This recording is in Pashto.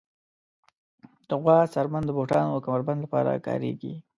د غوا څرمن د بوټانو او کمر بند لپاره کارېږي.